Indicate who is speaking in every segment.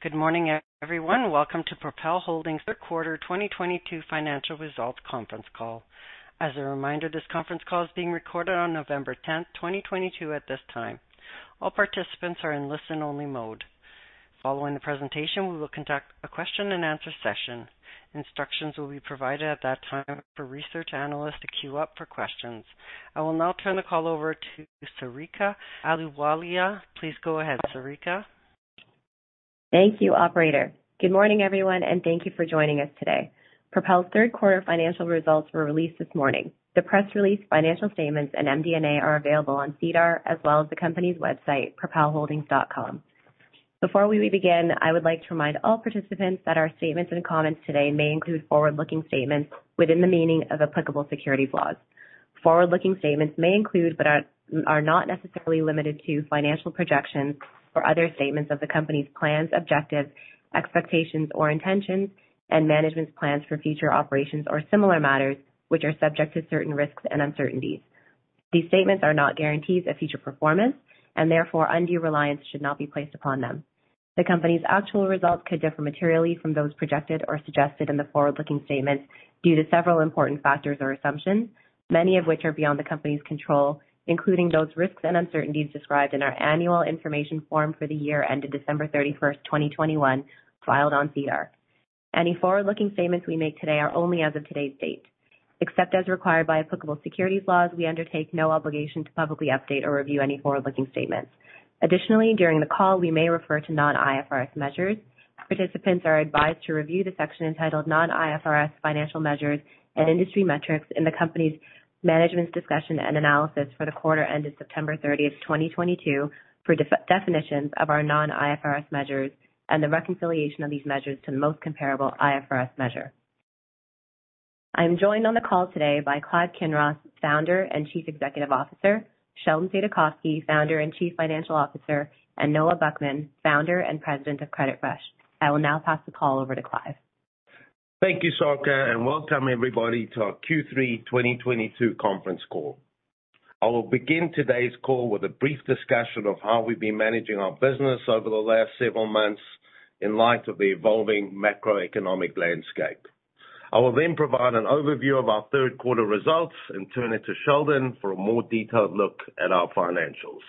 Speaker 1: Good morning everyone. Welcome to Propel Holdings third quarter 2022 financial results conference call. As a reminder, this conference call is being recorded on November 10, 2022 at this time. All participants are in listen-only mode. Following the presentation, we will conduct a question and answer session. Instructions will be provided at that time for research analysts to queue up for questions. I will now turn the call over to Sarika Ahluwalia. Please go ahead, Sarika.
Speaker 2: Thank you, operator. Good morning everyone, and thank you for joining us today. Propel third quarter financial results were released this morning. The press release financial statements and MD&A are available on SEDAR as well as the company's website, propelholdings.com. Before we begin, I would like to remind all participants that our statements and comments today may include forward-looking statements within the meaning of applicable securities laws. Forward-looking statements may include, but are not necessarily limited to financial projections or other statements of the company's plans, objectives, expectations or intentions, and management's plans for future operations or similar matters which are subject to certain risks and uncertainties. These statements are not guarantees of future performance and therefore undue reliance should not be placed upon them. The company's actual results could differ materially from those projected or suggested in the forward-looking statements due to several important factors or assumptions, many of which are beyond the company's control, including those risks and uncertainties described in our annual information form for the year ended December 31, 2021, filed on SEDAR. Any forward-looking statements we make today are only as of today's date. Except as required by applicable securities laws, we undertake no obligation to publicly update or review any forward-looking statements. Additionally, during the call we may refer to non-IFRS measures. Participants are advised to review the section entitled Non-IFRS Financial Measures and Industry Metrics in the company's management's discussion and analysis for the quarter ended September 30, 2022, for definitions of our non-IFRS measures and the reconciliation of these measures to the most comparable IFRS measure. I'm joined on the call today by Clive Kinross, Founder and Chief Executive Officer. Sheldon Saidakovsky, founder and Chief Financial Officer, and Noah Buchman, founder and President of CreditFresh. I will now pass the call over to Clive.
Speaker 3: Thank you, Sarika, and welcome everybody to our Q3 2022 conference call. I will begin today's call with a brief discussion of how we've been managing our business over the last several months in light of the evolving macroeconomic landscape. I will then provide an overview of our third quarter results and turn it to Sheldon for a more detailed look at our financials.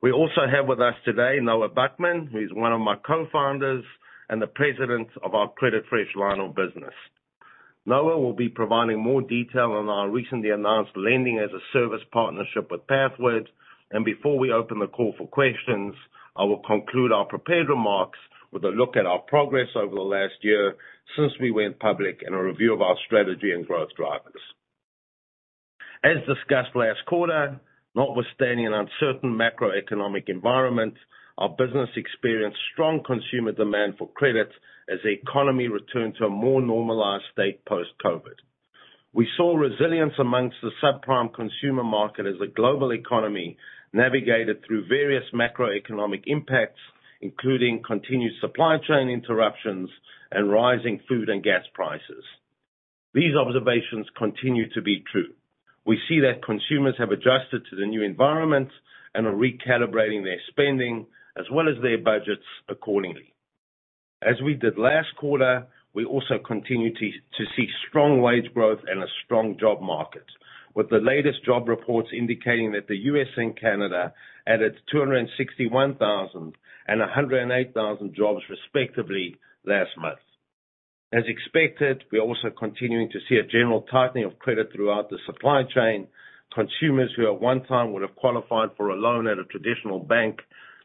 Speaker 3: We also have with us today Noah Buchman, who is one of my co-founders and the president of our CreditFresh line of business. Noah will be providing more detail on our recently announced lending-as-a-service partnership with Pathward. Before we open the call for questions, I will conclude our prepared remarks with a look at our progress over the last year since we went public, and a review of our strategy and growth drivers. As discussed last quarter, notwithstanding an uncertain macroeconomic environment, our business experienced strong consumer demand for credit as the economy returned to a more normalized state post-COVID. We saw resilience among the subprime consumer market as the global economy navigated through various macroeconomic impacts, including continued supply chain interruptions and rising food and gas prices. These observations continue to be true. We see that consumers have adjusted to the new environment and are recalibrating their spending as well as their budgets accordingly. As we did last quarter, we also continue to see strong wage growth and a strong job market, with the latest job reports indicating that the U.S. and Canada added 261,000 and 108,000 jobs respectively last month. As expected, we are also continuing to see a general tightening of credit throughout the supply chain. Consumers who at one time would have qualified for a loan at a traditional bank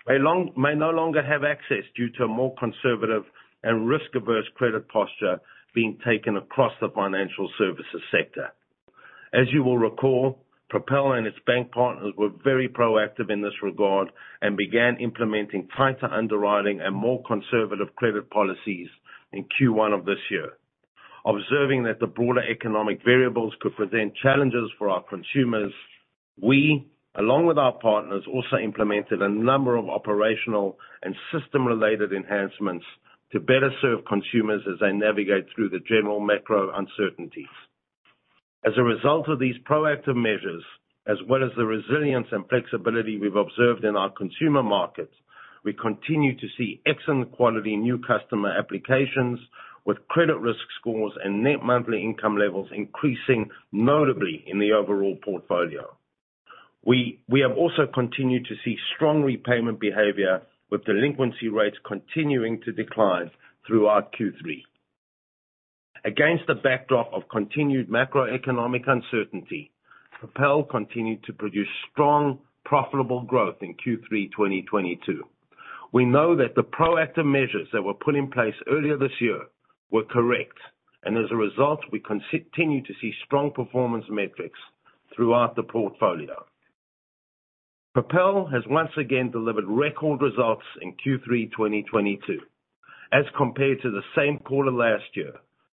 Speaker 3: may no longer have access due to a more conservative and risk-averse credit posture being taken across the financial services sector. As you will recall, Propel and its bank partners were very proactive in this regard and began implementing tighter underwriting and more conservative credit policies in Q1 of this year. Observing that the broader economic variables could present challenges for our consumers, we, along with our partners, also implemented a number of operational and system-related enhancements to better serve consumers as they navigate through the general macro uncertainties. As a result of these proactive measures, as well as the resilience and flexibility we've observed in our consumer markets, we continue to see excellent quality new customer applications with credit risk scores and net monthly income levels increasing notably in the overall portfolio. We have also continued to see strong repayment behavior, with delinquency rates continuing to decline throughout Q3. Against the backdrop of continued macroeconomic uncertainty, Propel continued to produce strong, profitable growth in Q3 2022. We know that the proactive measures that were put in place earlier this year were correct, and as a result, we continue to see strong performance metrics throughout the portfolio. Propel has once again delivered record results in Q3 2022. As compared to the same quarter last year,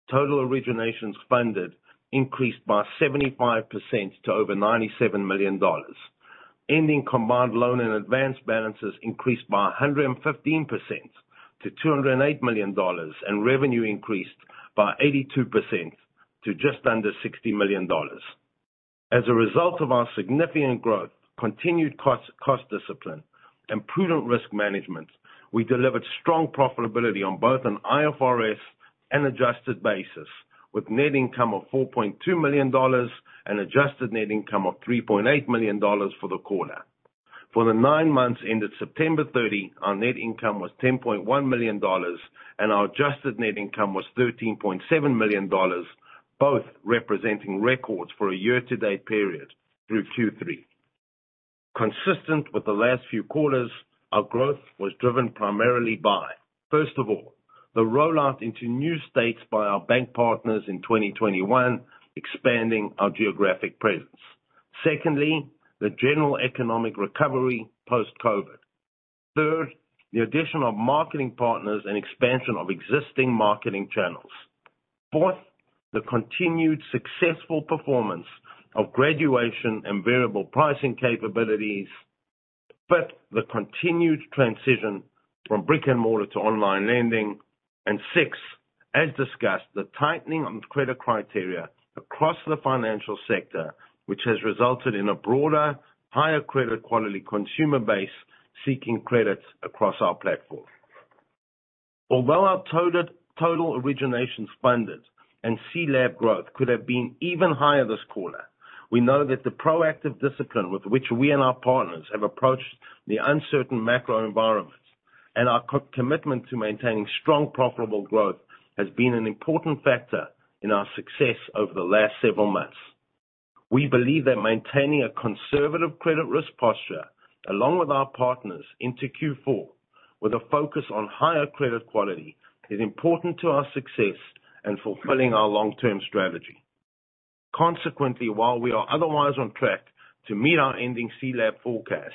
Speaker 3: total originations funded increased by 75% to over $97 million. Ending combined loan and advanced balances increased by 115% to $208 million, and revenue increased by 82% to just under $60 million. As a result of our significant growth, continued cost discipline, and prudent risk management, we delivered strong profitability on both an IFRS and adjusted basis, with net income of $4.2 million and adjusted net income of $3.8 million for the quarter. For the nine months ended September 30, our net income was $10.1 million, and our adjusted net income was $13.7 million, both representing records for a year-to-date period through Q3. Consistent with the last few quarters, our growth was driven primarily by, first of all, the rollout into new states by our bank partners in 2021, expanding our geographic presence. Secondly, the general economic recovery post-COVID. Third, the addition of marketing partners and expansion of existing marketing channels. Fourth, the continued successful performance of graduation and variable pricing capabilities. Fifth, the continued transition from brick-and-mortar to online lending. Six, as discussed, the tightening of credit criteria across the financial sector, which has resulted in a broader, higher credit quality consumer base seeking credits across our platform. Although our total originations funded and CLAB growth could have been even higher this quarter, we know that the proactive discipline with which we and our partners have approached the uncertain macro environments and our co-commitment to maintaining strong profitable growth has been an important factor in our success over the last several months. We believe that maintaining a conservative credit risk posture, along with our partners into Q4, with a focus on higher credit quality, is important to our success in fulfilling our long-term strategy. Consequently, while we are otherwise on track to meet our ending CLAB forecast,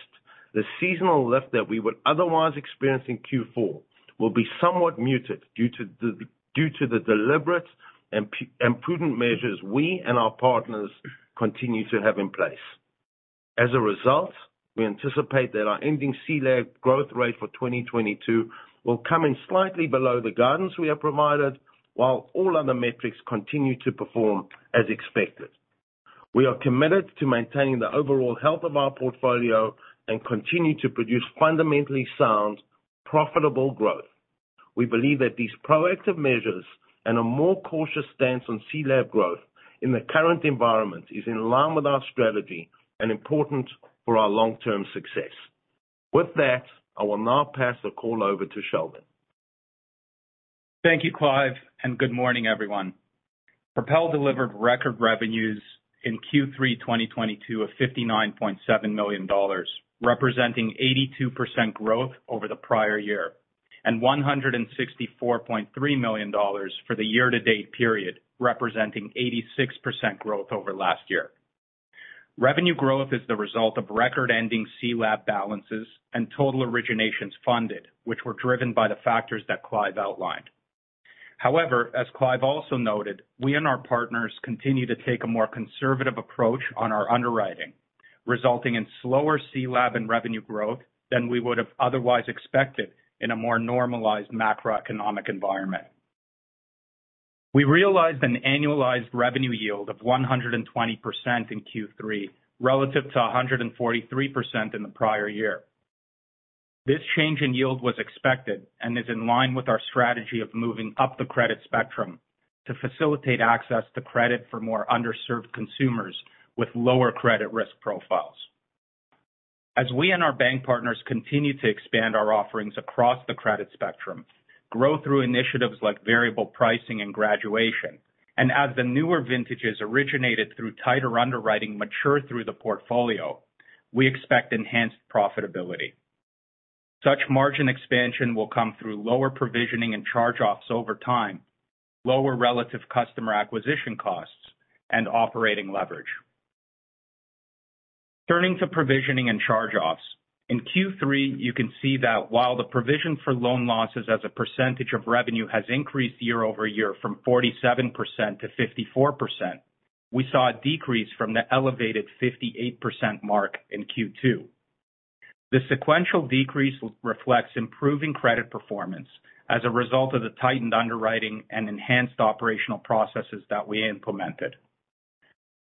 Speaker 3: the seasonal lift that we would otherwise experience in Q4 will be somewhat muted due to the deliberate and prudent measures we and our partners continue to have in place. As a result, we anticipate that our ending CLAB growth rate for 2022 will come in slightly below the guidance we have provided, while all other metrics continue to perform as expected. We are committed to maintaining the overall health of our portfolio and continue to produce fundamentally sound, profitable growth. We believe that these proactive measures and a more cautious stance on CLAB growth in the current environment is in line with our strategy and important for our long-term success. With that, I will now pass the call over to Sheldon.
Speaker 4: Thank you, Clive, and good morning, everyone. Propel delivered record revenues in Q3 2022 of $59.7 million, representing 82% growth over the prior year, and $164.3 million for the year-to-date period, representing 86% growth over last year. Revenue growth is the result of record-ending CLAB balances and total originations funded, which were driven by the factors that Clive outlined. However, as Clive also noted, we and our partners continue to take a more conservative approach on our underwriting, resulting in slower CLAB and revenue growth than we would have otherwise expected in a more normalized macroeconomic environment. We realized an annualized revenue yield of 120% in Q3, relative to 143% in the prior year. This change in yield was expected and is in line with our strategy of moving up the credit spectrum to facilitate access to credit for more underserved consumers with lower credit risk profiles. As we and our bank partners continue to expand our offerings across the credit spectrum, grow through initiatives like variable pricing and graduation, and as the newer vintages originated through tighter underwriting mature through the portfolio, we expect enhanced profitability. Such margin expansion will come through lower provisioning and charge-offs over time, lower relative customer acquisition costs, and operating leverage. Turning to provisioning and charge-offs, in Q3, you can see that while the provision for loan losses as a percentage of revenue has increased year over year from 47% to 54%, we saw a decrease from the elevated 58% mark in Q2. The sequential decrease reflects improving credit performance as a result of the tightened underwriting and enhanced operational processes that we implemented.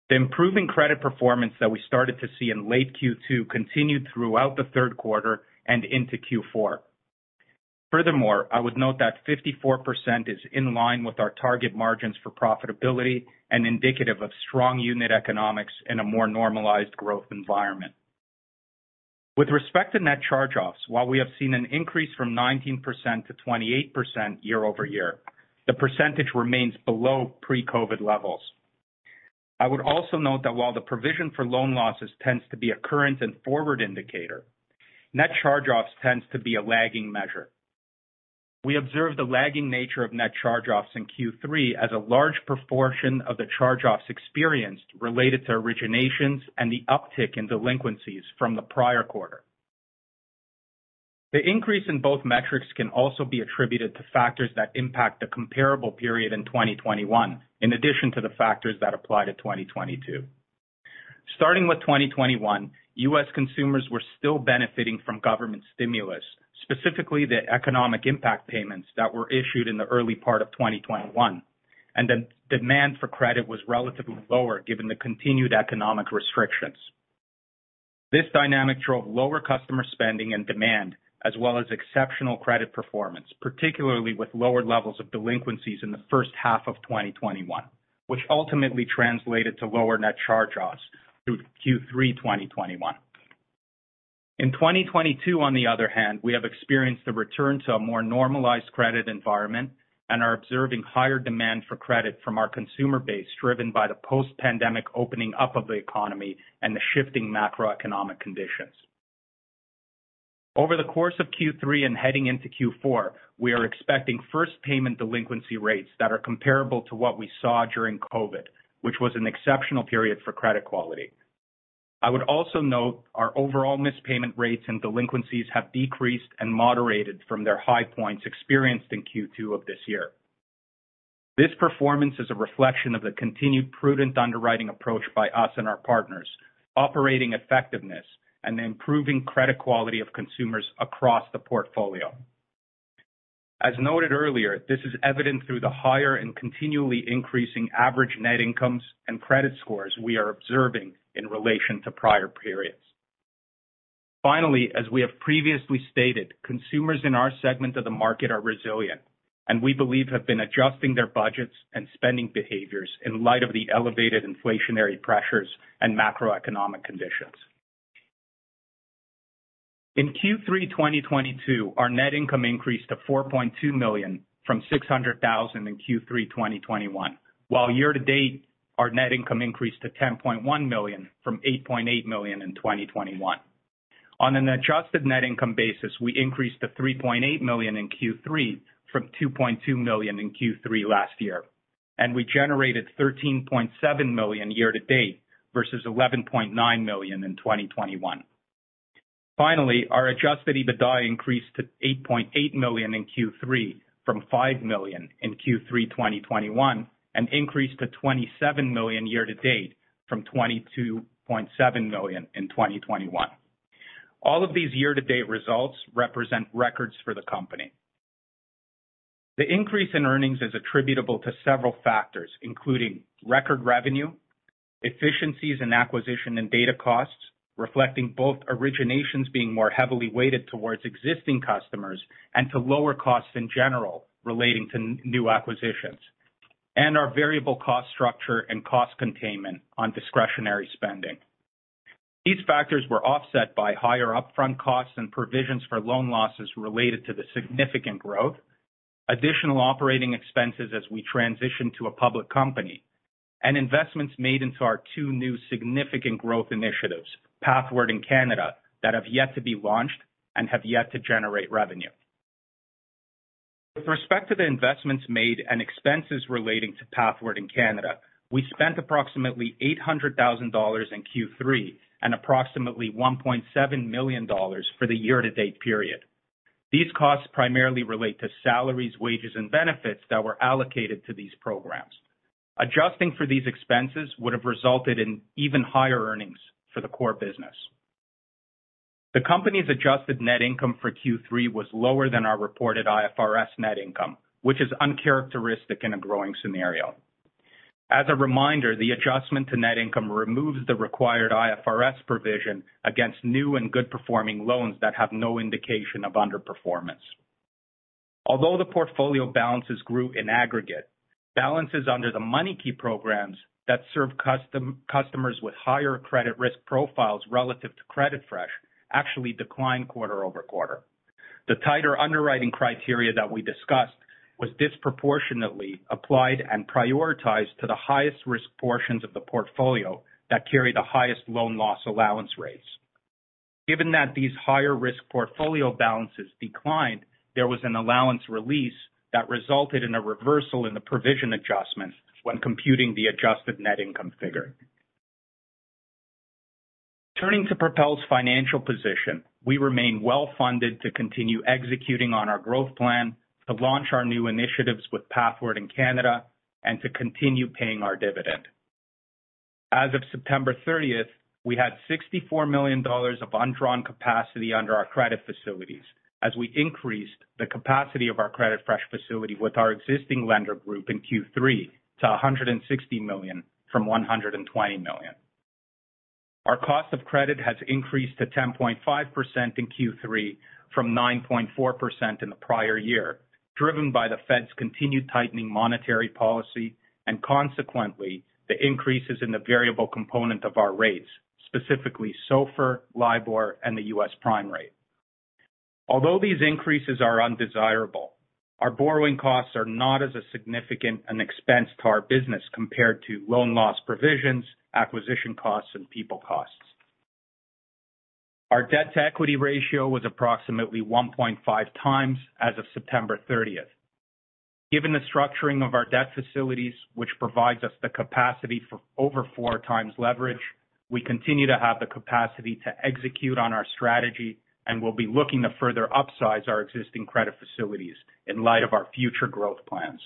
Speaker 4: The improving credit performance that we started to see in late Q2 continued throughout the third quarter and into Q4. Furthermore, I would note that 54% is in line with our target margins for profitability and indicative of strong unit economics in a more normalized growth environment. With respect to net charge-offs, while we have seen an increase from 19% to 28% year-over-year, the percentage remains below pre-COVID levels. I would also note that while the provision for loan losses tends to be a current and forward indicator, net charge-offs tends to be a lagging measure. We observe the lagging nature of net charge-offs in Q3 as a large proportion of the charge-offs experienced related to originations and the uptick in delinquencies from the prior quarter. The increase in both metrics can also be attributed to factors that impact the comparable period in 2021, in addition to the factors that apply to 2022. Starting with 2021, U.S. consumers were still benefiting from government stimulus. Specifically the Economic Impact Payments that were issued in the early part of 2021, and the demand for credit was relatively lower given the continued economic restrictions. This dynamic drove lower customer spending and demand, as well as exceptional credit performance, particularly with lower levels of delinquencies in the first half of 2021, which ultimately translated to lower net charge-offs through Q3 2021. In 2022, on the other hand, we have experienced a return to a more normalized credit environment and are observing higher demand for credit from our consumer base, driven by the post-pandemic opening up of the economy and the shifting macroeconomic conditions. Over the course of Q3 and heading into Q4, we are expecting first payment delinquency rates that are comparable to what we saw during COVID, which was an exceptional period for credit quality. I would also note our overall missed payment rates and delinquencies have decreased and moderated from their high points experienced in Q2 of this year. This performance is a reflection of the continued prudent underwriting approach by us and our partners, operating effectiveness and the improving credit quality of consumers across the portfolio. As noted earlier, this is evident through the higher and continually increasing average net incomes and credit scores we are observing in relation to prior periods. Finally, as we have previously stated, consumers in our segment of the market are resilient and we believe have been adjusting their budgets and spending behaviors in light of the elevated inflationary pressures and macroeconomic conditions. In Q3 2022, our net income increased to 4.2 million from 600,000 in Q3 2021, while year-to-date our net income increased to 10.1 million from 8.8 million in 2021. On an adjusted net income basis, we increased to 3.8 million in Q3 from 2.2 million in Q3 last year. We generated 13.7 million year-to-date versus 11.9 million in 2021. Finally, our adjusted EBITDA increased to 8.8 million in Q3 2021 from 5 million in Q3 2021, and increased to 27 million year-to-date from 22.7 million in 2021. All of these year-to-date results represent records for the company. The increase in earnings is attributable to several factors, including record revenue, efficiencies in acquisition and data costs, reflecting both originations being more heavily weighted towards existing customers and to lower costs in general relating to new acquisitions, and our variable cost structure and cost containment on discretionary spending. These factors were offset by higher upfront costs and provisions for loan losses related to the significant growth, additional operating expenses as we transition to a public company, and investments made into our two new significant growth initiatives, Pathward in Canada, that have yet to be launched and have yet to generate revenue. With respect to the investments made and expenses relating to Pathward in Canada, we spent approximately 800 thousand dollars in Q3 and approximately 1.7 million dollars for the year-to-date period. These costs primarily relate to salaries, wages and benefits that were allocated to these programs. Adjusting for these expenses would have resulted in even higher earnings for the core business. The company's adjusted net income for Q3 was lower than our reported IFRS net income, which is uncharacteristic in a growing scenario. As a reminder, the adjustment to net income removes the required IFRS provision against new and good-performing loans that have no indication of underperformance. Although the portfolio balances grew in aggregate, balances under the MoneyKey programs that serve subprime customers with higher credit risk profiles relative to CreditFresh actually declined quarter-over-quarter. The tighter underwriting criteria that we discussed was disproportionately applied and prioritized to the highest-risk portions of the portfolio that carry the highest loan loss allowance rates. Given that these higher-risk portfolio balances declined, there was an allowance release that resulted in a reversal in the provision adjustment when computing the adjusted net income figure. Turning to Propel's financial position. We remain well-funded to continue executing on our growth plan, to launch our new initiatives with Pathward in Canada, and to continue paying our dividend. As of September thirtieth, we had $64 million of undrawn capacity under our credit facilities as we increased the capacity of our CreditFresh facility with our existing lender group in Q3 to $160 million from $120 million. Our cost of credit has increased to 10.5% in Q3 from 9.4% in the prior year, driven by the Fed's continued tightening monetary policy and consequently, the increases in the variable component of our rates, specifically SOFR, LIBOR, and the U.S. prime rate. Although these increases are undesirable, our borrowing costs are not as significant an expense to our business compared to loan loss provisions, acquisition costs, and people costs. Our debt-to-equity ratio was approximately 1.5 times as of September 30. Given the structuring of our debt facilities, which provides us the capacity for over 4 times leverage, we continue to have the capacity to execute on our strategy and will be looking to further upsize our existing credit facilities in light of our future growth plans.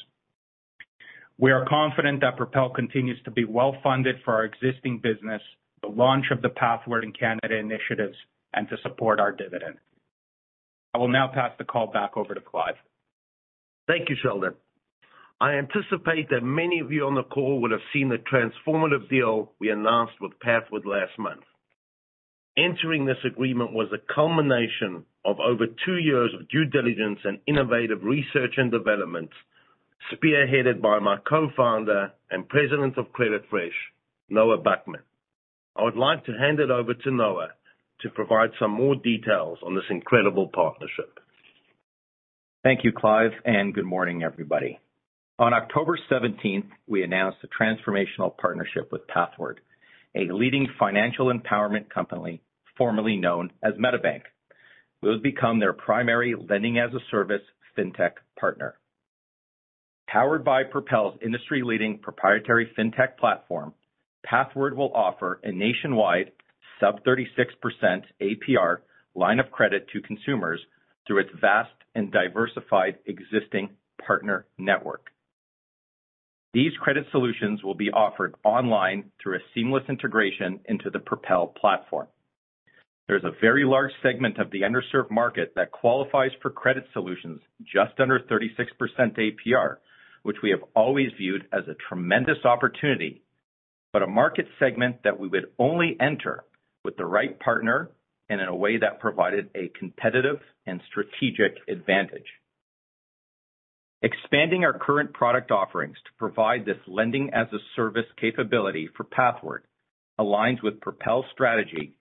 Speaker 4: We are confident that Propel continues to be well-funded for our existing business, the launch of the Pathward in Canada initiatives, and to support our dividend. I will now pass the call back over to Clive.
Speaker 3: Thank you, Sheldon. I anticipate that many of you on the call would have seen the transformative deal we announced with Pathward last month. Entering this agreement was a culmination of over two years of due diligence and innovative research and development, spearheaded by my co-founder and President of CreditFresh, Noah Buchman. I would like to hand it over to Noah to provide some more details on this incredible partnership.
Speaker 5: Thank you, Clive, and good morning, everybody. On October 17th, we announced a transformational partnership with Pathward, a leading financial empowerment company, formerly known as MetaBank. We'll become their primary lending-as-a-service fintech partner. Powered by Propel's industry-leading proprietary fintech platform, Pathward will offer a nationwide sub-36% APR line of credit to consumers through its vast and diversified existing partner network. These credit solutions will be offered online through a seamless integration into the Propel platform. There's a very large segment of the underserved market that qualifies for credit solutions just under 36% APR, which we have always viewed as a tremendous opportunity, but a market segment that we would only enter with the right partner and in a way that provided a competitive and strategic advantage. Expanding our current product offerings to provide this lending-as-a-service capability for Pathward aligns with Propel's strategy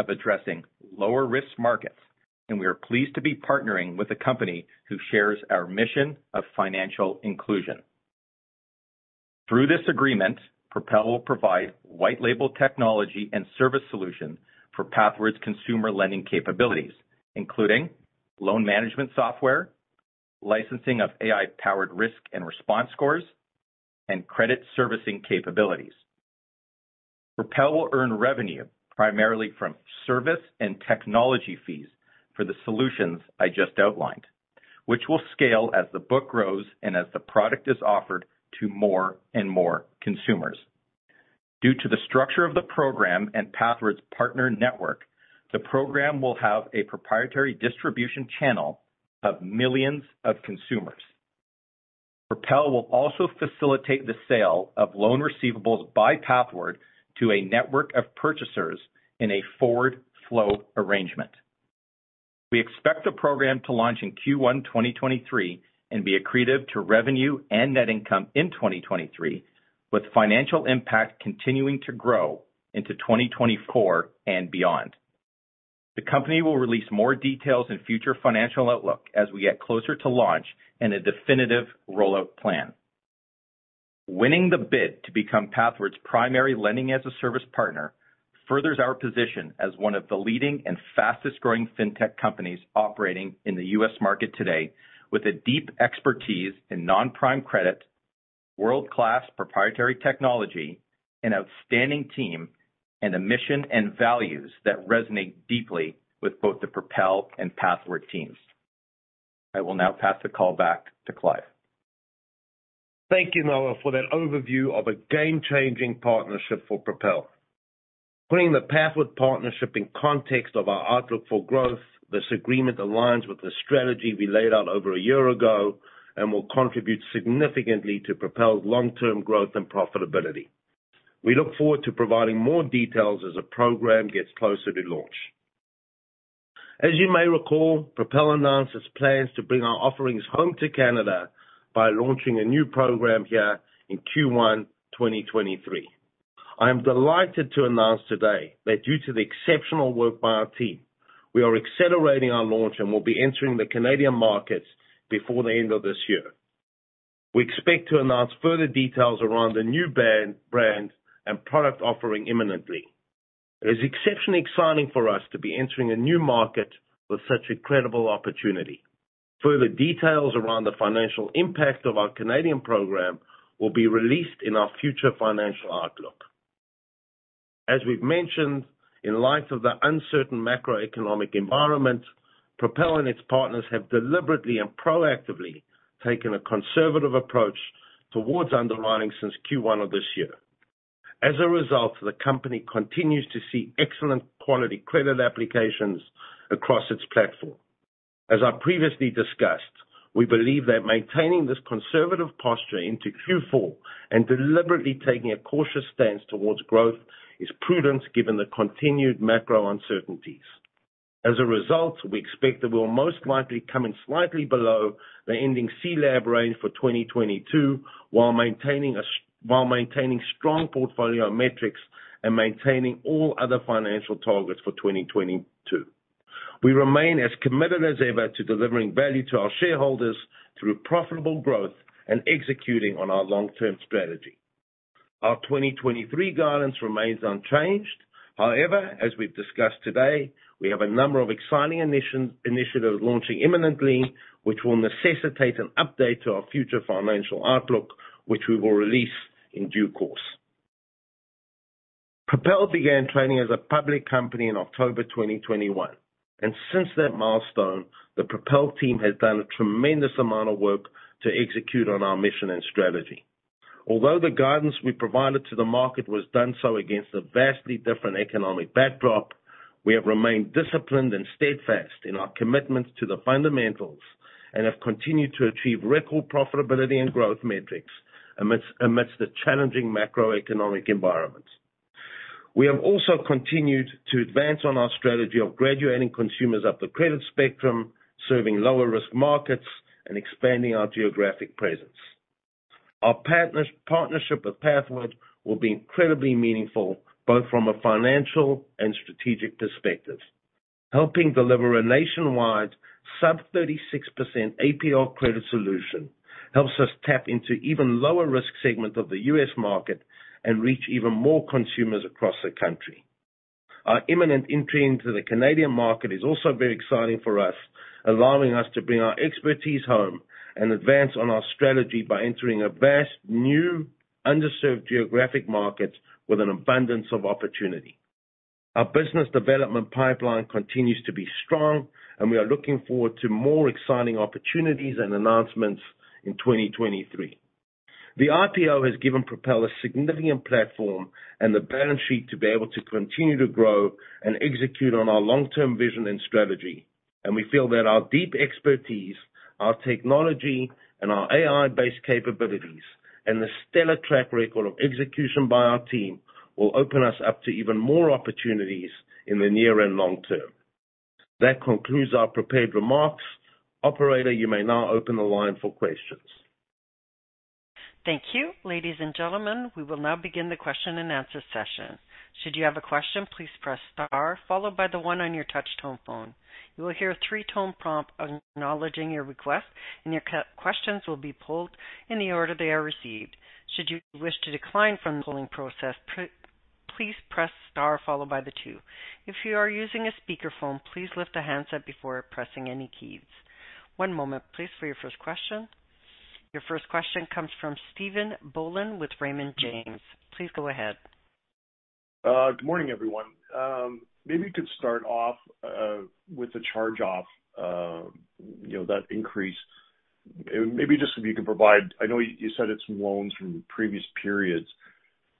Speaker 5: of addressing lower risk markets, and we are pleased to be partnering with a company who shares our mission of financial inclusion. Through this agreement, Propel will provide white label technology and service solution for Pathward's consumer lending capabilities, including loan management software, licensing of AI-powered risk and response scores, and credit servicing capabilities. Propel will earn revenue primarily from service and technology fees for the solutions I just outlined, which will scale as the book grows and as the product is offered to more and more consumers. Due to the structure of the program and Pathward's partner network, the program will have a proprietary distribution channel of millions of consumers. Propel will also facilitate the sale of loan receivables by Pathward to a network of purchasers in a forward flow arrangement. We expect the program to launch in Q1 2023 and be accretive to revenue and net income in 2023, with financial impact continuing to grow into 2024 and beyond. The company will release more details in future financial outlook as we get closer to launch and a definitive rollout plan. Winning the bid to become Pathward's primary lending-as-a-service partner furthers our position as one of the leading and fastest-growing fintech companies operating in the U.S. market today with a deep expertise in non-prime credit, world-class proprietary technology, an outstanding team, and a mission and values that resonate deeply with both the Propel and Pathward teams. I will now pass the call back to Clive.
Speaker 3: Thank you, Noah, for that overview of a game-changing partnership for Propel. Putting the Pathward partnership in context of our outlook for growth, this agreement aligns with the strategy we laid out over a year ago and will contribute significantly to Propel's long-term growth and profitability. We look forward to providing more details as the program gets closer to launch. As you may recall, Propel announced its plans to bring our offerings home to Canada by launching a new program here in Q1 2023. I am delighted to announce today that due to the exceptional work by our team, we are accelerating our launch and will be entering the Canadian markets before the end of this year. We expect to announce further details around the new brand and product offering imminently. It is exceptionally exciting for us to be entering a new market with such incredible opportunity. Further details around the financial impact of our Canadian program will be released in our future financial outlook. As we've mentioned, in light of the uncertain macroeconomic environment, Propel and its partners have deliberately and proactively taken a conservative approach towards underwriting since Q1 of this year. As a result, the company continues to see excellent quality credit applications across its platform. As I previously discussed, we believe that maintaining this conservative posture into Q4 and deliberately taking a cautious stance towards growth is prudence given the continued macro uncertainties. As a result, we expect that we'll most likely come in slightly below the ending CLAB range for 2022 while maintaining strong portfolio metrics and maintaining all other financial targets for 2022. We remain as committed as ever to delivering value to our shareholders through profitable growth and executing on our long-term strategy. Our 2023 guidance remains unchanged. However, as we've discussed today, we have a number of exciting initiatives launching imminently, which will necessitate an update to our future financial outlook, which we will release in due course. Propel began trading as a public company in October 2021, and since that milestone, the Propel team has done a tremendous amount of work to execute on our mission and strategy. Although the guidance we provided to the market was done so against a vastly different economic backdrop, we have remained disciplined and steadfast in our commitment to the fundamentals and have continued to achieve record profitability and growth metrics amidst the challenging macroeconomic environment. We have also continued to advance on our strategy of graduating consumers up the credit spectrum, serving lower risk markets and expanding our geographic presence. Our partnership with Pathward will be incredibly meaningful, both from a financial and strategic perspective. Helping deliver a nationwide sub-36% APR credit solution helps us tap into even lower risk segments of the U.S. market and reach even more consumers across the country. Our imminent entry into the Canadian market is also very exciting for us, allowing us to bring our expertise home and advance on our strategy by entering a vast, new, underserved geographic market with an abundance of opportunity. Our business development pipeline continues to be strong and we are looking forward to more exciting opportunities and announcements in 2023. The IPO has given Propel a significant platform and the balance sheet to be able to continue to grow and execute on our long-term vision and strategy. We feel that our deep expertise, our technology, and our AI-based capabilities, and the stellar track record of execution by our team will open us up to even more opportunities in the near and long term. That concludes our prepared remarks. Operator, you may now open the line for questions.
Speaker 1: Thank you. Ladies and gentlemen, we will now begin the question-and-answer session. Should you have a question, please press star followed by one on your touch tone phone. You will hear a three-tone prompt acknowledging your request, and your questions will be pulled in the order they are received. Should you wish to decline from the polling process, please press star followed by two. If you are using a speakerphone, please lift the handset before pressing any keys. One moment please for your first question. Your first question comes from Stephen Boland with Raymond James. Please go ahead.
Speaker 6: Good morning, everyone. Maybe you could start off with the charge-off, you know, that increase. Maybe just if you could provide. I know you said it's loans from previous periods,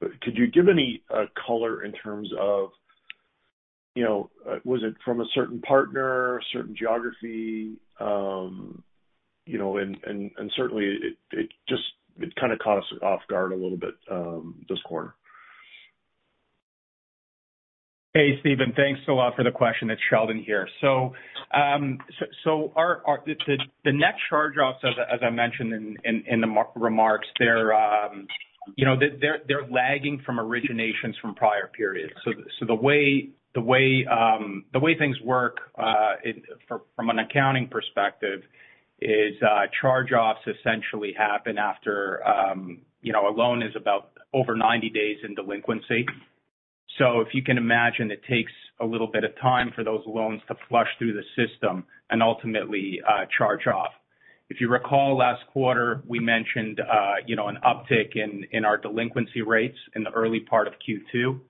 Speaker 6: but could you give any color in terms of, you know, was it from a certain partner, a certain geography? You know, and certainly it just kind of caught us off guard a little bit, this quarter.
Speaker 4: Hey, Stephen. Thanks a lot for the question. It's Sheldon here. Our net charge-offs as I mentioned in the remarks, they're, you know, lagging from originations from prior periods. The way things work from an accounting perspective is charge-offs essentially happen after, you know, a loan is about over 90 days in delinquency. If you can imagine, it takes a little bit of time for those loans to flush through the system and ultimately charge off. If you recall, last quarter, we mentioned you know, an uptick in our delinquency rates in the early part of Q2.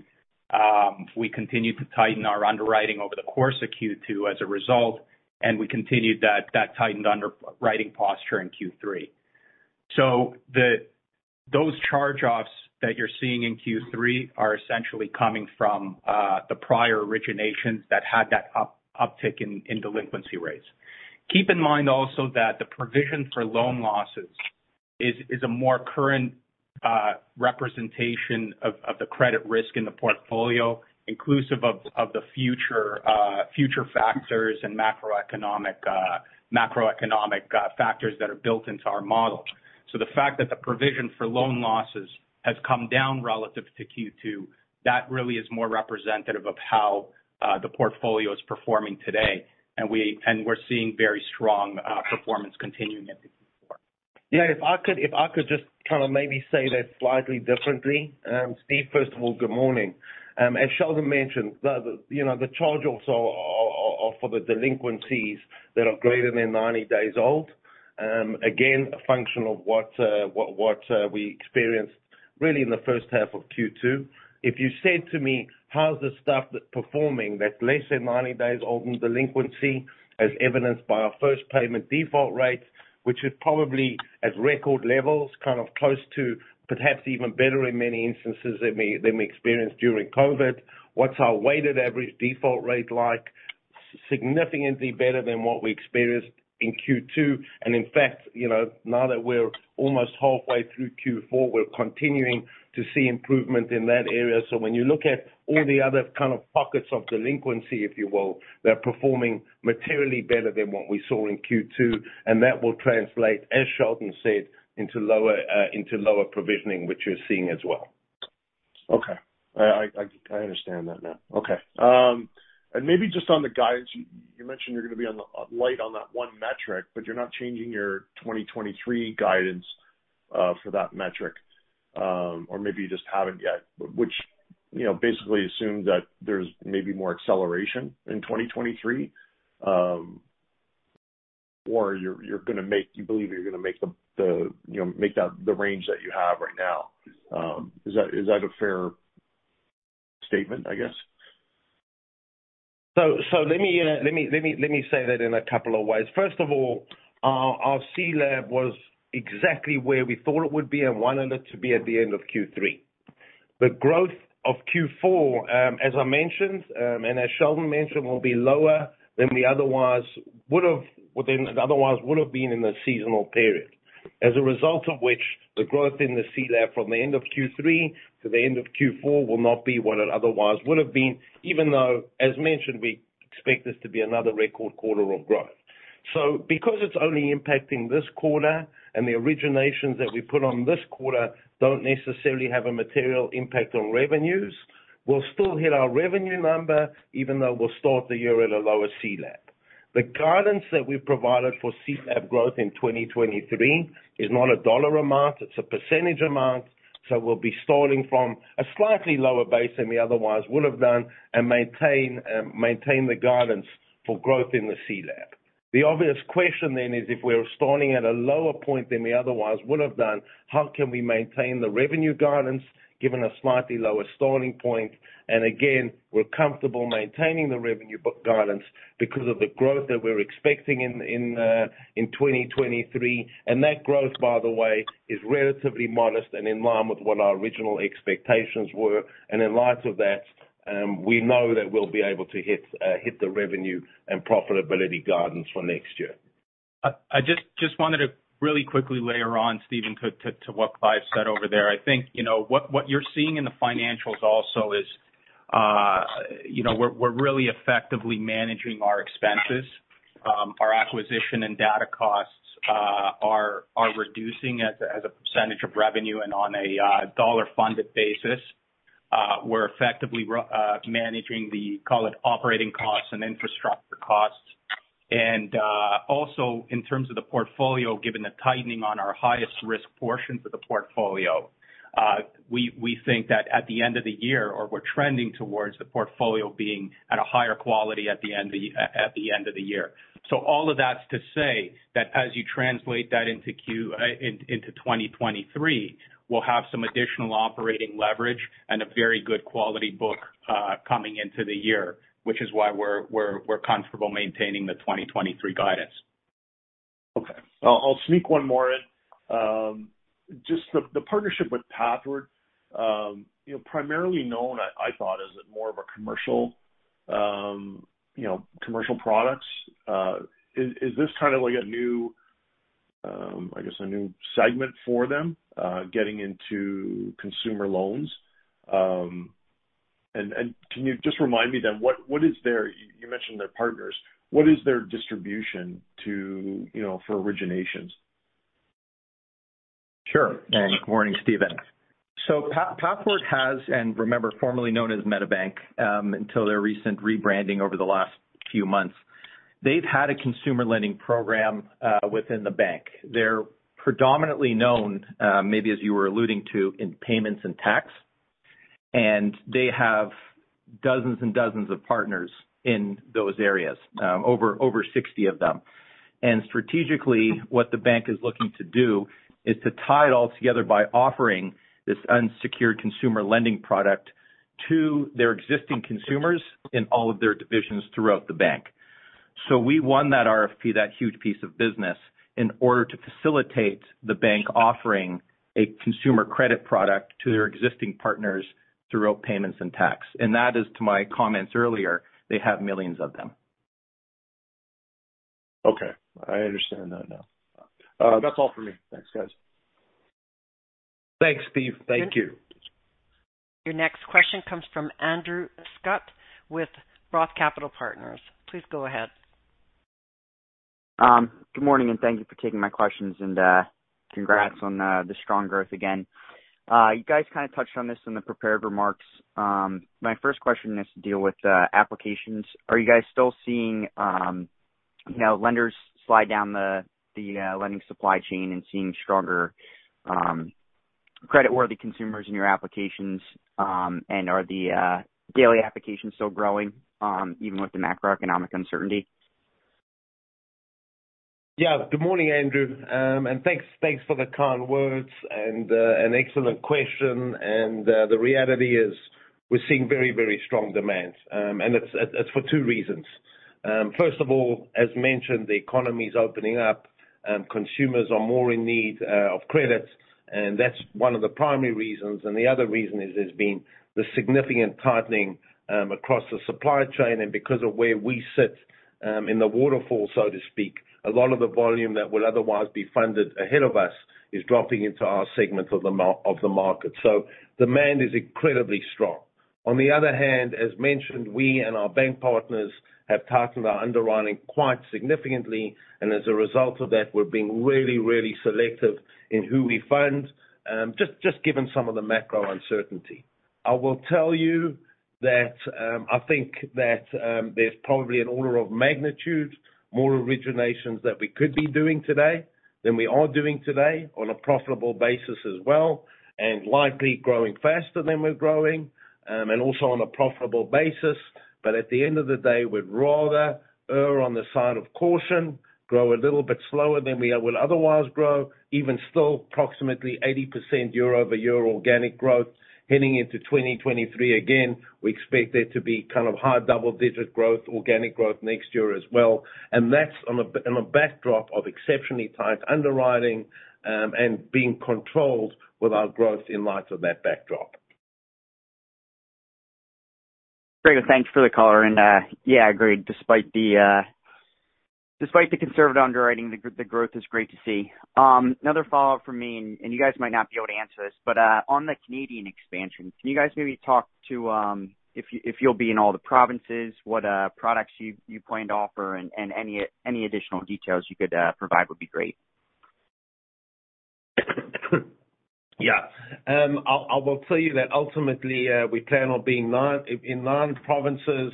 Speaker 4: We continued to tighten our underwriting over the course of Q2 as a result, and we continued that tightened underwriting posture in Q3. Those charge-offs that you're seeing in Q3 are essentially coming from the prior originations that had that uptick in delinquency rates. Keep in mind also that the provision for loan losses is a more current representation of the credit risk in the portfolio, inclusive of the future factors and macroeconomic factors that are built into our models. The fact that the provision for loan losses has come down relative to Q2, that really is more representative of how the portfolio is performing today. We're seeing very strong performance continuing into Q4.
Speaker 3: If I could just kind of maybe say that slightly differently. Stephen, first of all, good morning. As Sheldon mentioned, you know, the charge also of all the delinquencies that are greater than 90 days old, again, a function of what we experienced really in the first half of Q2. If you said to me, how's the stuff that's performing that's less than 90 days old in delinquency, as evidenced by our first payment default rates, which is probably at record levels, kind of close to perhaps even better in many instances than we experienced during COVID. What's our weighted average default rate like? Significantly better than what we experienced in Q2. In fact, you know, now that we're almost halfway through Q4, we're continuing to see improvement in that area. When you look at all the other kind of pockets of delinquency, if you will, they're performing materially better than what we saw in Q2, and that will translate, as Sheldon said, into lower provisioning, which you're seeing as well.
Speaker 6: Okay. I understand that now. Okay. Maybe just on the guidance, you mentioned you're gonna be on the light on that one metric, but you're not changing your 2023 guidance for that metric, or maybe you just haven't yet, which, you know, basically assumes that there's maybe more acceleration in 2023. You believe you're gonna make the you know make that the range that you have right now. Is that a fair statement, I guess?
Speaker 3: Let me say that in a couple of ways. First of all, our CLAB was exactly where we thought it would be and wanted it to be at the end of Q3. The growth of Q4, as I mentioned, and as Sheldon mentioned, will be lower than we otherwise would have been in the seasonal period. As a result of which, the growth in the CLAB from the end of Q3 to the end of Q4 will not be what it otherwise would have been, even though, as mentioned, we expect this to be another record quarter of growth. Because it's only impacting this quarter and the originations that we put on this quarter don't necessarily have a material impact on revenues, we'll still hit our revenue number, even though we'll start the year at a lower CLAB. The guidance that we provided for CLAB growth in 2023 is not a dollar amount, it's a percentage amount, so we'll be starting from a slightly lower base than we otherwise would have done and maintain the guidance for growth in the CLAB. The obvious question then is if we're starting at a lower point than we otherwise would have done, how can we maintain the revenue guidance given a slightly lower starting point? Again, we're comfortable maintaining the revenue guidance because of the growth that we're expecting in 2023. That growth, by the way, is relatively modest and in line with what our original expectations were. In light of that, we know that we'll be able to hit the revenue and profitability guidance for next year.
Speaker 5: I just wanted to really quickly layer on Stephen to what Clive said over there. I think you know what you're seeing in the financials also is, you know, we're really effectively managing our expenses. Our acquisition and data costs are reducing as a percentage of revenue and on a dollar funded basis. We're effectively managing the, call it, operating costs and infrastructure costs. Also in terms of the portfolio, given the tightening on our highest risk portions of the portfolio, we think that at the end of the year or we're trending towards the portfolio being at a higher quality at the end of the year. All of that's to say that as you translate that into 2023, we'll have some additional operating leverage and a very good quality book coming into the year, which is why we're comfortable maintaining the 2023 guidance.
Speaker 6: Okay. I'll sneak one more in. Just the partnership with Pathward, you know, primarily known, I thought, as more of a commercial, you know, commercial products, is this kind of like a new, I guess, a new segment for them, getting into consumer loans? And can you just remind me then, you mentioned their partners. What is their distribution to, you know, for originations?
Speaker 5: Sure. Good morning, Stephen. Pathward has, and remember, formerly known as MetaBank, until their recent rebranding over the last few months. They've had a consumer lending program within the bank. They're predominantly known, maybe as you were alluding to, in payments and tax, and they have dozens and dozens of partners in those areas, over 60 of them. Strategically, what the bank is looking to do is to tie it all together by offering this unsecured consumer lending product to their existing consumers in all of their divisions throughout the bank. We won that RFP, that huge piece of business, in order to facilitate the bank offering a consumer credit product to their existing partners throughout payments and tax. That is to my comments earlier. They have millions of them.
Speaker 6: Okay. I understand that now. That's all for me. Thanks, guys.
Speaker 3: Thanks, Steph. Thank you.
Speaker 1: Your next question comes from Andrew Scutt with Roth Capital Partners. Please go ahead.
Speaker 7: Good morning, and thank you for taking my questions. Congrats on the strong growth again. You guys kind of touched on this in the prepared remarks. My first question has to deal with applications. Are you guys still seeing, you know, lenders slide down the lending supply chain and seeing stronger creditworthy consumers in your applications? Are the daily applications still growing even with the macroeconomic uncertainty?
Speaker 3: Yeah. Good morning, Andrew. Thanks for the kind words and an excellent question. The reality is we're seeing very, very strong demand. It's for two reasons. First of all, as mentioned, the economy is opening up. Consumers are more in need of credit, and that's one of the primary reasons. The other reason is there's been significant tightening across the supply chain. Because of where we sit in the waterfall, so to speak, a lot of the volume that would otherwise be funded ahead of us is dropping into our segment of the market. Demand is incredibly strong. On the other hand, as mentioned, we and our bank partners have tightened our underwriting quite significantly, and as a result of that, we're being really, really selective in who we fund, just given some of the macro uncertainty. I will tell you that, I think that, there's probably an order of magnitude, more originations that we could be doing today than we are doing today on a profitable basis as well, and likely growing faster than we're growing, and also on a profitable basis. At the end of the day, we'd rather on the side of caution, grow a little bit slower than we would otherwise grow. Even still, approximately 80% year-over-year organic growth heading into 2023. Again, we expect there to be kind of high double-digit growth, organic growth next year as well. That's on a backdrop of exceptionally tight underwriting, and being controlled with our growth in light of that backdrop.
Speaker 7: Great. Thanks for the color. Yeah, I agree. Despite the conservative underwriting, the growth is great to see. Another follow-up from me, and you guys might not be able to answer this, but on the Canadian expansion, can you guys maybe talk to if you'll be in all the provinces, what products you plan to offer and any additional details you could provide would be great.
Speaker 3: Yeah. I will tell you that ultimately, we plan on being in nine provinces.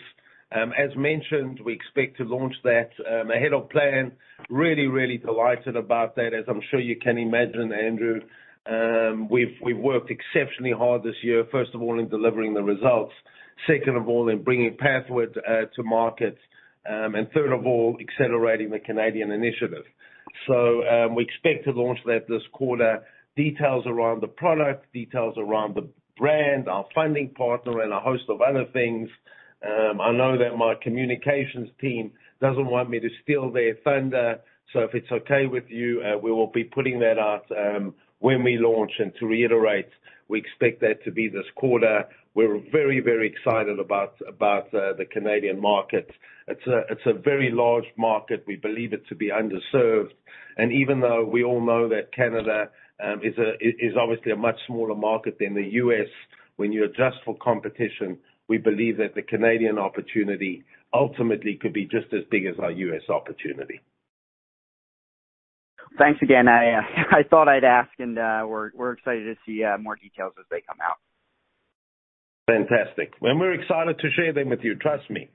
Speaker 3: As mentioned, we expect to launch that ahead of plan. Really delighted about that, as I'm sure you can imagine, Andrew. We've worked exceptionally hard this year, first of all, in delivering the results, second of all, in bringing Pathward to market, and third of all, accelerating the Canadian initiative. We expect to launch that this quarter. Details around the product, details around the brand, our funding partner, and a host of other things. I know that my communications team doesn't want me to steal their thunder, so if it's okay with you, we will be putting that out when we launch. To reiterate, we expect that to be this quarter. We're very excited about the Canadian market. It's a very large market. We believe it to be underserved. Even though we all know that Canada is obviously a much smaller market than the US, when you adjust for competition, we believe that the Canadian opportunity ultimately could be just as big as our US opportunity.
Speaker 7: Thanks again. I thought I'd ask, and we're excited to see more details as they come out.
Speaker 3: Fantastic. We're excited to share them with you, trust me.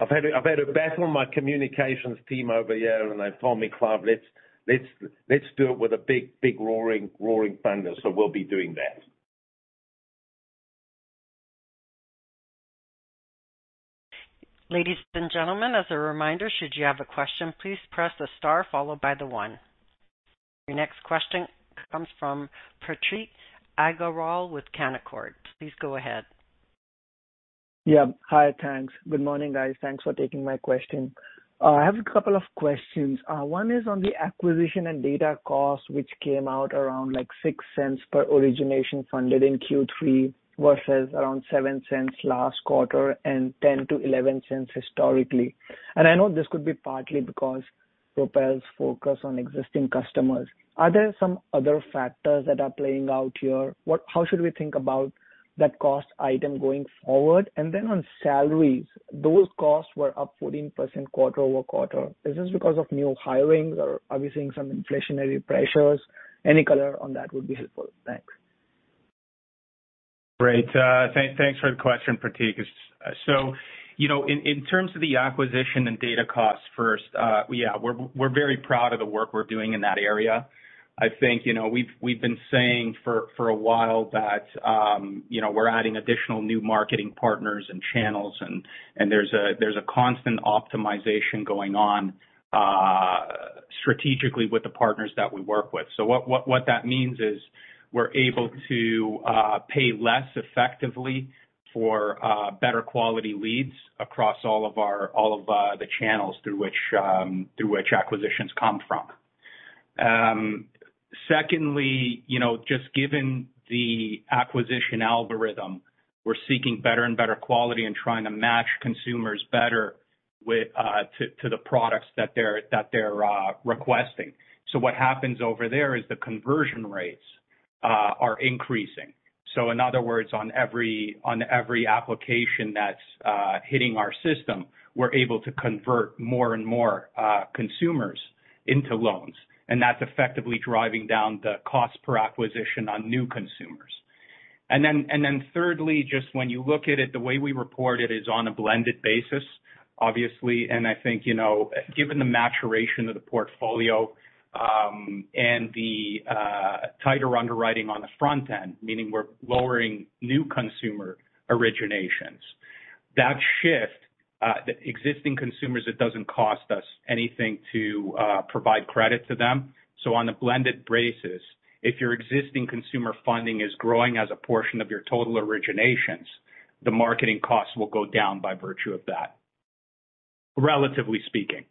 Speaker 3: I've had to battle my communications team over here, and they've told me, "Clive, let's do it with a big roaring thunder." We'll be doing that.
Speaker 1: Ladies and gentlemen, as a reminder, should you have a question, please press the star followed by the one. Your next question comes from Pratik Agarwal with Canaccord. Please go ahead.
Speaker 8: Yeah. Hi, thanks. Good morning, guys. Thanks for taking my question. I have a couple of questions. One is on the acquisition and data costs, which came out around like $0.06 per origination funded in Q3 versus around $0.07 last quarter and $0.10-$0.11 historically. I know this could be partly because Propel's focus on existing customers. Are there some other factors that are playing out here? How should we think about that cost item going forward? On salaries, those costs were up 14% quarter-over-quarter. Is this because of new hirings or are we seeing some inflationary pressures? Any color on that would be helpful. Thanks.
Speaker 4: Great. Thanks for the question, Pratik. You know, in terms of the acquisition and data costs first, yeah, we're very proud of the work we're doing in that area. I think, you know, we've been saying for a while that, you know, we're adding additional new marketing partners and channels and there's a constant optimization going on, strategically with the partners that we work with. What that means is we're able to pay less effectively for better quality leads across all of the channels through which acquisitions come from. Secondly, you know, just given the acquisition algorithm, we're seeking better and better quality and trying to match consumers better to the products that they're requesting. What happens over there is the conversion rates are increasing. In other words, on every application that's hitting our system, we're able to convert more and more consumers into loans, and that's effectively driving down the cost per acquisition on new consumers. Thirdly, just when you look at it, the way we report it is on a blended basis, obviously. I think, you know, given the maturation of the portfolio, and the tighter underwriting on the front end, meaning we're lowering new consumer originations. That shift, the existing consumers, it doesn't cost us anything to provide credit to them. On a blended basis, if your existing consumer funding is growing as a portion of your total originations, the marketing costs will go down by virtue of that, relatively speaking.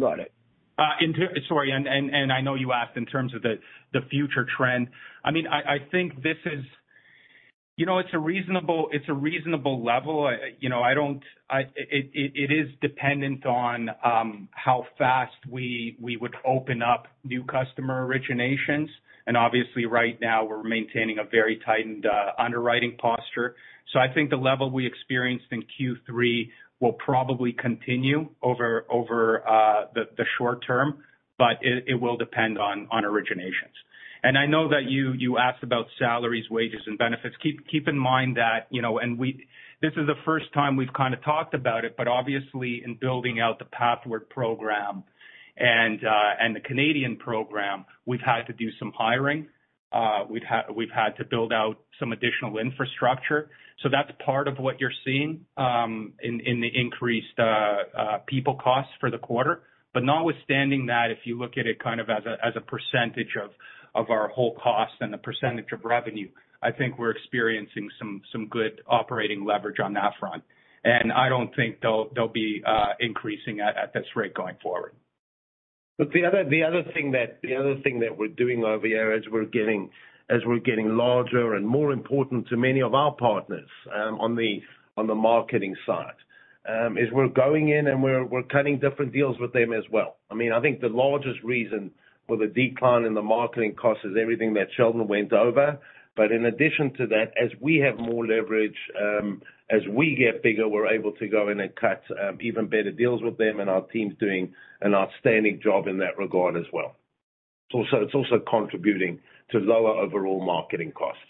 Speaker 8: Got it.
Speaker 4: I know you asked in terms of the future trend. I mean, I think this is a reasonable level. You know, it is dependent on how fast we would open up new customer originations. Obviously, right now we're maintaining a very tightened underwriting posture. I think the level we experienced in Q3 will probably continue over the short term, but it will depend on originations. I know that you asked about salaries, wages, and benefits. Keep in mind that, you know, this is the first time we've kind of talked about it, but obviously in building out the Pathward program and the Canadian program, we've had to do some hiring. We've had to build out some additional infrastructure. So that's part of what you're seeing in the increased people costs for the quarter. But notwithstanding that, if you look at it kind of as a percentage of our whole cost and the percentage of revenue, I think we're experiencing some good operating leverage on that front. I don't think they'll be increasing at this rate going forward.
Speaker 3: The other thing that we're doing over here as we're getting larger and more important to many of our partners, on the marketing side, is we're going in and we're cutting different deals with them as well. I mean, I think the largest reason for the decline in the marketing cost is everything that Sheldon went over. In addition to that, as we have more leverage, as we get bigger, we're able to go in and cut even better deals with them, and our team's doing an outstanding job in that regard as well. It's also contributing to lower overall marketing costs.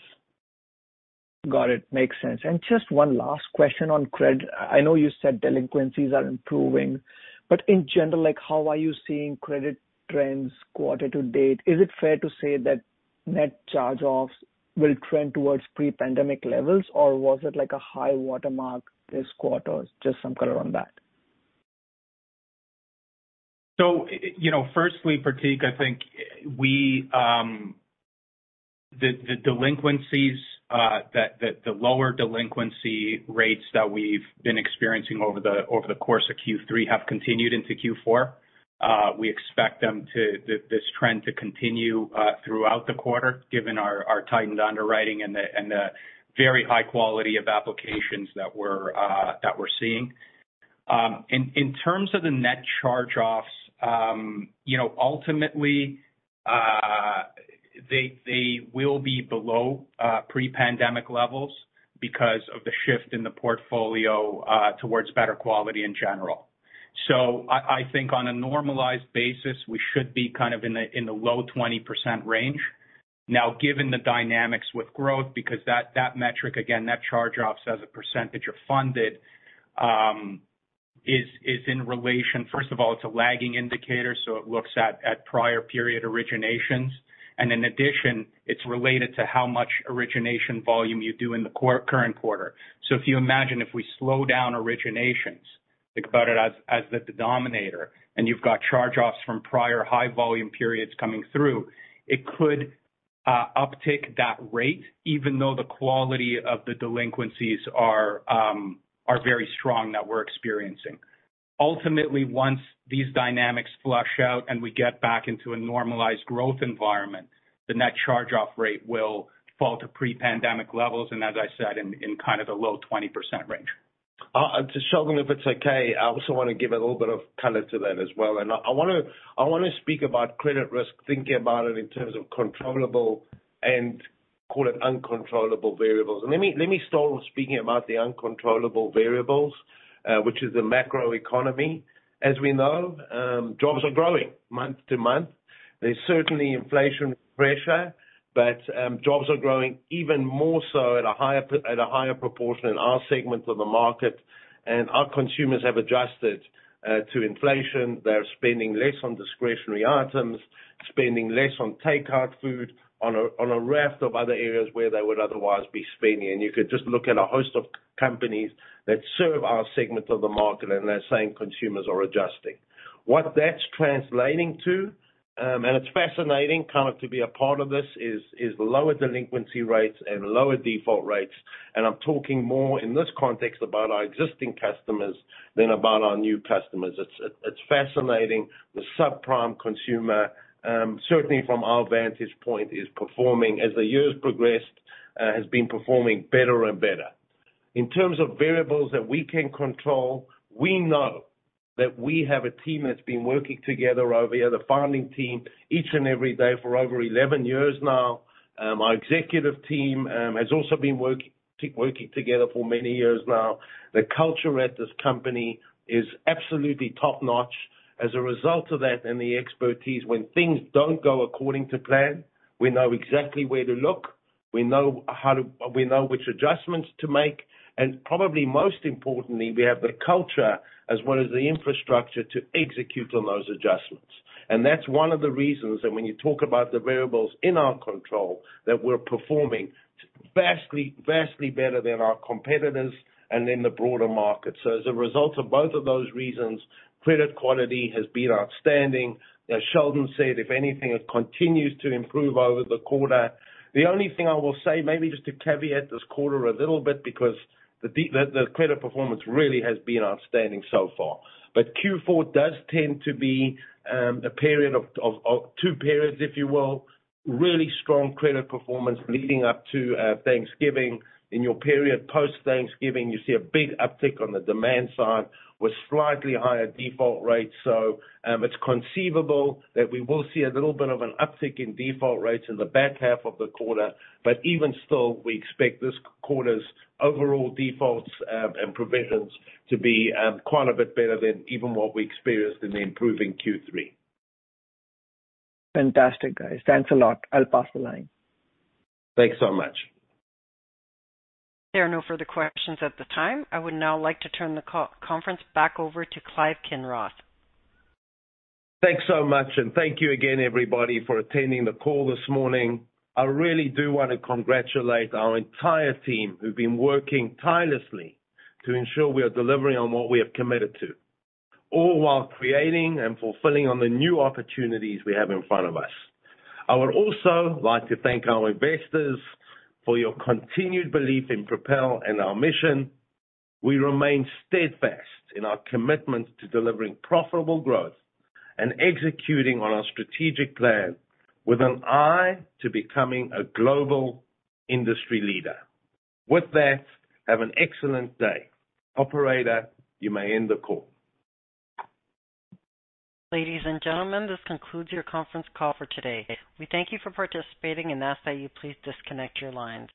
Speaker 8: Got it. Makes sense. Just one last question on credit. I know you said delinquencies are improving, but in general, like, how are you seeing credit trends quarter to date? Is it fair to say that net charge-offs will trend towards pre-pandemic levels, or was it like a high watermark this quarter? Just some color on that.
Speaker 4: You know, firstly, Pratik, I think we. The lower delinquency rates that we've been experiencing over the course of Q3 have continued into Q4. We expect this trend to continue throughout the quarter given our tightened underwriting and the very high quality of applications that we're seeing. In terms of the net charge-offs, you know, ultimately, they will be below pre-pandemic levels because of the shift in the portfolio towards better quality in general. I think on a normalized basis, we should be kind of in the low 20% range. Now, given the dynamics with growth, because that metric, again, net charge-offs as a percentage of funded, is in relation. First of all, it's a lagging indicator, so it looks at prior period originations. In addition, it's related to how much origination volume you do in the quarter, current quarter. If you imagine if we slow down originations, think about it as the denominator, and you've got charge-offs from prior high volume periods coming through, it could uptick that rate even though the quality of the delinquencies are very strong that we're experiencing. Ultimately, once these dynamics flush out and we get back into a normalized growth environment, the net charge-off rate will fall to pre-pandemic levels, and as I said, in kind of the low 20% range.
Speaker 3: Sheldon, if it's okay, I also wanna give a little bit of color to that as well. I wanna speak about credit risk, thinking about it in terms of controllable and call it uncontrollable variables. Let me start with speaking about the uncontrollable variables, which is the macro economy. As we know, jobs are growing month to month. There's certainly inflation pressure, but jobs are growing even more so at a higher proportion in our segment of the market. Our consumers have adjusted to inflation. They're spending less on discretionary items, spending less on takeout food, on a raft of other areas where they would otherwise be spending. You could just look at a host of companies that serve our segment of the market, and they're saying consumers are adjusting. What that's translating to and it's fascinating kind of to be a part of this is lower delinquency rates and lower default rates. I'm talking more in this context about our existing customers than about our new customers. It's fascinating. The subprime consumer, certainly from our vantage point is performing, as the years progressed, has been performing better and better. In terms of variables that we can control, we know that we have a team that's been working together over the founding team each and every day for over 11 years now. Our executive team has also been working together for many years now. The culture at this company is absolutely top-notch. As a result of that and the expertise, when things don't go according to plan, we know exactly where to look. We know how to. We know which adjustments to make, and probably most importantly, we have the culture as well as the infrastructure to execute on those adjustments. That's one of the reasons that when you talk about the variables in our control that we're performing vastly better than our competitors and in the broader market. As a result of both of those reasons, credit quality has been outstanding. As Sheldon said, if anything, it continues to improve over the quarter. The only thing I will say, maybe just to caveat this quarter a little bit because the credit performance really has been outstanding so far. Q4 does tend to be a period of two periods, if you will. Really strong credit performance leading up to Thanksgiving. In the period post-Thanksgiving, you see a big uptick on the demand side with slightly higher default rates. It's conceivable that we will see a little bit of an uptick in default rates in the back half of the quarter. Even still, we expect this quarter's overall defaults and provisions to be quite a bit better than even what we experienced in the improving Q3.
Speaker 8: Fantastic, guys. Thanks a lot. I'll pass the line.
Speaker 3: Thanks so much.
Speaker 1: There are no further questions at the time. I would now like to turn the conference back over to Clive Kinross.
Speaker 3: Thanks so much, and thank you again, everybody, for attending the call this morning. I really do wanna congratulate our entire team who've been working tirelessly to ensure we are delivering on what we have committed to, all while creating and fulfilling on the new opportunities we have in front of us. I would also like to thank our investors for your continued belief in Propel and our mission. We remain steadfast in our commitment to delivering profitable growth and executing on our strategic plan with an eye to becoming a global industry leader. With that, have an excellent day. Operator, you may end the call.
Speaker 1: Ladies and gentlemen, this concludes your conference call for today. We thank you for participating and ask that you please disconnect your lines.